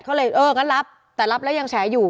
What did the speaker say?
เขาเลยเอองั้นรับแต่รับแล้วยังแฉอยู่